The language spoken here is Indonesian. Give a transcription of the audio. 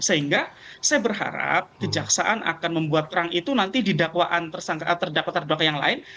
sehingga saya berharap kejaksaan akan membuat perang itu nanti di dakwaan terdakwa yang lain